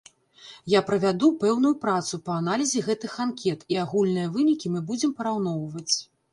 Я правяду пэўную працу па аналізе гэтых анкет і агульныя вынікі мы будзем параўноўваць.